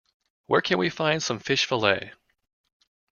Where can we find fish fillet?